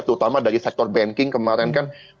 terutama dari sektor banking kemarin kan